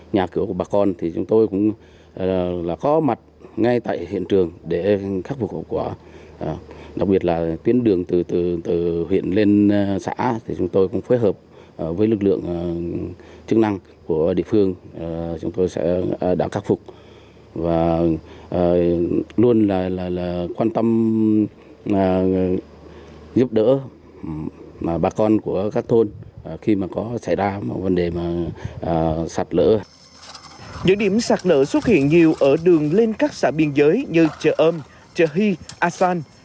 những điểm sạt lở xuất hiện nhiều ở đường lên các xã biên giới như trợ âm trợ hy a san